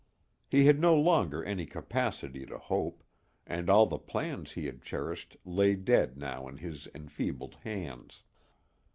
He had no longer any capacity to hope, and all the plans he had cherished lay dead now in his enfeebled hands.